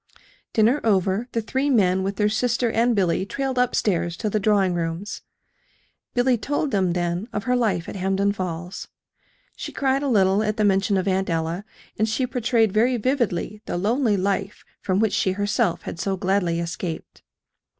Dinner over, the three men, with their sister and Billy, trailed up stairs to the drawing rooms. Billy told them, then, of her life at Hampden Falls. She cried a little at the mention of Aunt Ella; and she portrayed very vividly the lonely life from which she herself had so gladly escaped.